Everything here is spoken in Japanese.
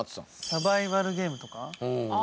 サバイバルゲームとか？